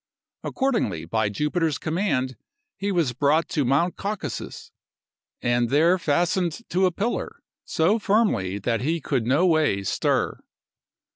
Accordingly, by Jupiter's command, he was brought to Mount Caucasus, and there fastened to a pillar, so firmly that he could no way stir.